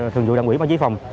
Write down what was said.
thường dụ đoàn quỹ báo chí phòng